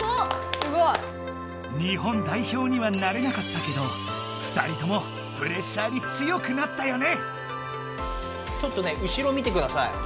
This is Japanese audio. すごい。日本代表にはなれなかったけど２人ともプレッシャーに強くなったよね！